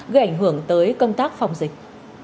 gây ảnh hưởng tới công tác phòng dịch